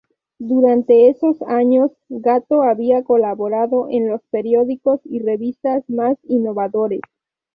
Durante esos años, Gatto había colaborado en los periódicos y revistas más innovadores.